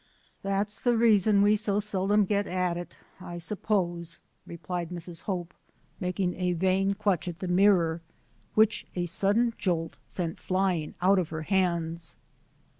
"That's the reason we so seldom get at it, I suppose," replied Mrs. Hope, making a vain clutch at the mirror, which a sudden jolt sent fly ing out of her hands.